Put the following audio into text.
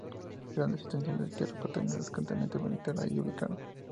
Grandes extensiones de tierra pertenecen al destacamento militar allí ubicado.